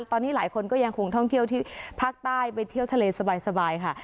ตอนนี้หลายคนก็ยังคงท่องเที่ยวที่ภาคใต้ไปเที่ยวทะเลสบายค่ะ